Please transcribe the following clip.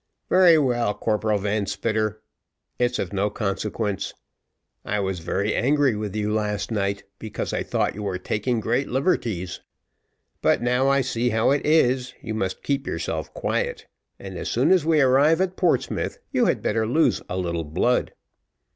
Very well, Corporal Van Spitter, it's of no consequence. I was very angry with you last night, because I thought you were taking great liberties; but I see now how it is, you must keep yourself quiet, and as soon as we arrive at Portsmouth, you had better lose a little blood."